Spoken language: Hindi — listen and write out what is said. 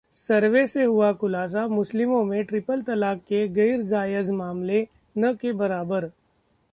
सर्वे से हुआ खुलासा, मुस्लिमों में ट्रिपल तलाक के गैरजायज मामले न के बराबर